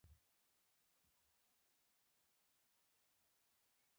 په مشرانو جرګه کې د سناتورۍ شپږ څوکۍ هم غواړي.